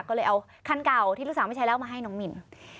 ก็เลยเอาคันเก่าที่ลูกสาวไม่ใช้แล้วมาให้น้องมิน